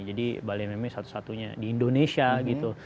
jadi bali mma satu satunya di indonesia gitu